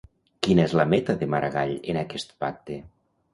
Quina és la meta de Maragall en aquest pacte?